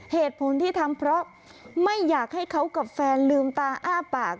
เหตุผลที่ทำเพราะไม่อยากให้เขากับแฟนลืมตาอ้าปาก